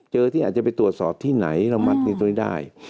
เจอที่อาจจะไปตรวจสอบที่ไหนเราไม่มีทฤทธิ์ได้